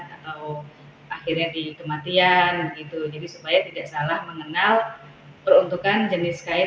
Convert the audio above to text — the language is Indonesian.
atau akhirnya di kematian gitu jadi supaya tidak salah mengenal peruntukan jenis kain